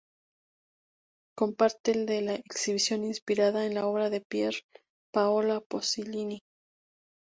Con parte de la exhibición "inspirada en la obra de Pier Paolo Pasolini".